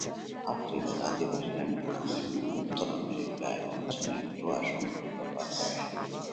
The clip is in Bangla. আফ্রিকার অধিবাসীরা ড্রাম এবং উত্তর আমেরিকা এবং চীনে ধোঁয়া সংকেত ব্যবহার করত।